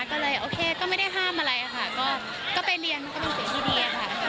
ก็เลยโอเคก็ไม่ได้ห้ามอะไรค่ะก็ไปเรียนมันก็เป็นสิ่งที่ดีค่ะ